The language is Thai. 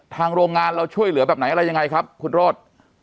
โรงงานเราช่วยเหลือแบบไหนอะไรยังไงครับคุณโรธ